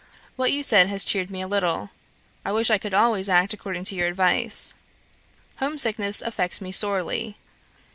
What you said has cheered me a little. I wish I could always act according to your advice. Home sickness affects me sorely.